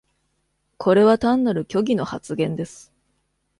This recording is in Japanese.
これは単なる虚偽の発言です。